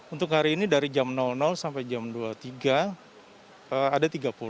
untuk hari ini dari jam sampai jam dua puluh tiga ada tiga puluh